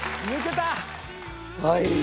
はい。